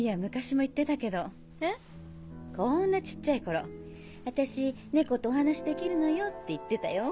こんな小っちゃい頃「私猫とお話しできるのよ」って言ってたよ。